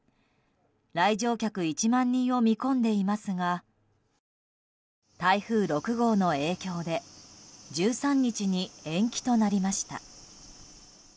来場客１万人を見込んでいますが台風６号の影響で１３日に延期となりました。